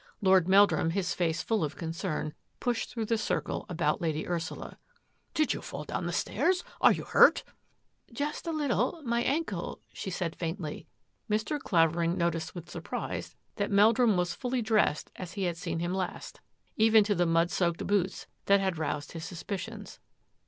Lord Meldrum, his face full of concern, pushed through the circle about Lady Ursula. " Did you fall down the stairs ? Are you hurt?" " Just a little — my ankle," she said faintly. Mr. Clavering noticed with surprise that Mel drum was fully dressed as he had seen him last, even to the mud soaked boots that had roused his sus picions.